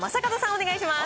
お願いします。